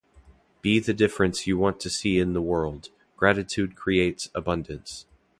Be the difference you want to see in the world, gratitude creates abundance.